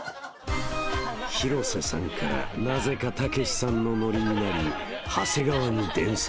［広瀬さんからなぜかたけしさんのノリになり長谷川に伝染］